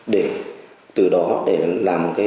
để từ đó để làm